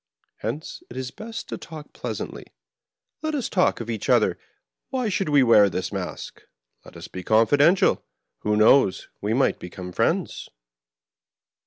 Hence it is best to talk pleasantly. Let us talk of each other : why should we wear this mask. Let us be confi dential. Who knows, we might become friends